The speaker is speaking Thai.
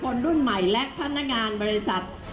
ปีนึงมีตั้งสองแสนล้านขอแบ่งมานิดเดียว